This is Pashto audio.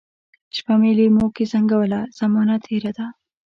شپه مي لېموکې زنګوله ، زمانه تیره ده